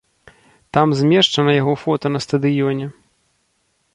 Там змешчана яго фота на стадыёне.